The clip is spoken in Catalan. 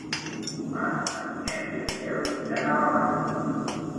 Dimarts na Vinyet i en Quel iran a la Mata.